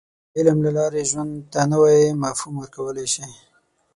• د علم له لارې، ژوند ته نوی مفهوم ورکولی شې.